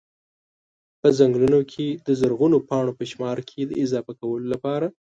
په ځنګلونو کي د زرغونو پاڼو په شمار کي د اضافه کولو لپاره